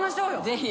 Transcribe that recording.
ぜひ。